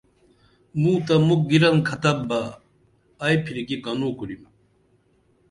موں تہ مُکھ گِرنکھتب بہ ائی پھرکی کنوں کُرِم